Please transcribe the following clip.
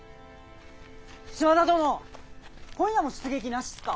島田殿今夜も出撃なしっすか？